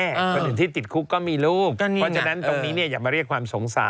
คนอื่นที่ติดคุกก็มีลูกเพราะฉะนั้นตรงนี้อย่ามาเรียกความสงสาร